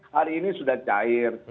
hari ini sudah cair